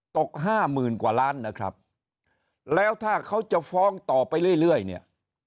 ตกห้าหมื่นกว่าล้านนะครับแล้วถ้าเขาจะฟ้องต่อไปเรื่อยเนี่ย